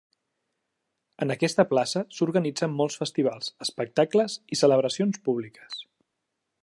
En aquesta plaça s'organitzen molts festivals, espectacles i celebracions públiques.